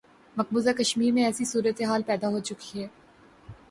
مقبوضہ کشمیر میں ایسی صورتحال پیدا ہو چکی ہے۔